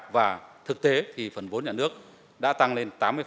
và thực tế thì phần vốn nhà nước đã tăng lên tám mươi